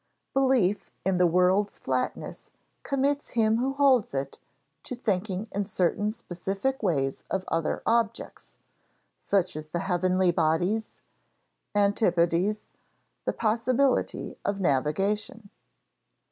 Belief in the world's flatness commits him who holds it to thinking in certain specific ways of other objects, such as the heavenly bodies, antipodes, the possibility of navigation.